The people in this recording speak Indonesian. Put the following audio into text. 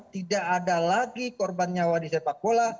tidak ada lagi korban nyawa di sepak bola